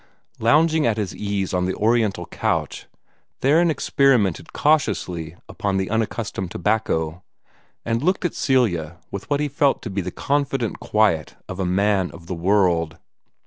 Lounging at his ease on the oriental couch, Theron experimented cautiously upon the unaccustomed tobacco, and looked at Celia with what he felt to be the confident quiet of a man of the world.